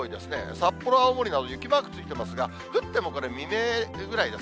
札幌、青森など雪マークがついてますね、降ってもこれ、未明ぐらいです。